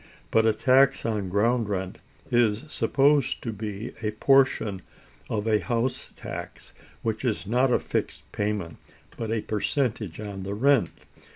But a tax on ground rent is supposed to be a portion of a house tax which is not a fixed payment, but a percentage on the rent.